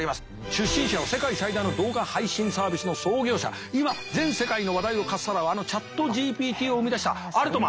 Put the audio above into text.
出身者は世界最大の動画配信サービスの創業者今全世界の話題をかっさらうあのＣｈａｔＧＰＴを生み出したアルトマン。